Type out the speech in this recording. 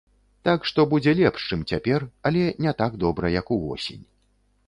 Так што будзе лепш, чым цяпер, але не так добра, як увосень.